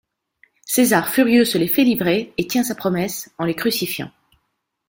César furieux se les fait livrer et tient sa promesse en les crucifiant.